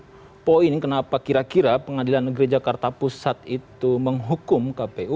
nah salah satu poin kenapa kira kira pengadilan negeri jakarta pusat itu menghukum kpu